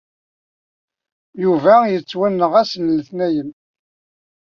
Yuba yettwenɣ ass n letniyen.